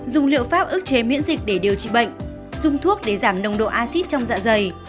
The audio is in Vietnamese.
dùng liệu pháp ước chế miễn dịch để điều trị bệnh dùng thuốc để giảm nồng độ acid trong dạ dày